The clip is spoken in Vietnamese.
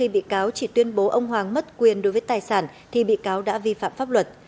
bị cáo đã vi phạm pháp luật